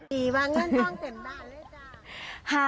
ดีว่างเงินต้องเต็มบ้านเลยจ้า